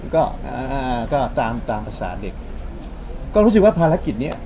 ก็อ่าก็ตามตามภาษาเด็กก็รู้สึกว่าภารกิจเนี้ย